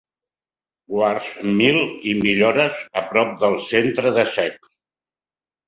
Wards Mill i millores a prop del centre de Sec.